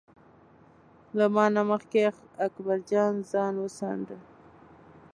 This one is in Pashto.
له ما نه مخکې اکبر جان ځان وڅانډه.